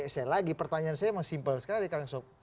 saya lagi pertanyaan saya memang simple sekali kang so